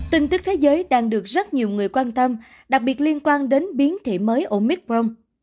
tình tiết thế giới đang được rất nhiều người quan tâm đặc biệt liên quan đến biến thể mới omicron